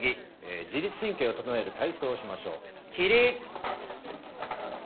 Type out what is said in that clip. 自律神経を整える体操をしましょう起立！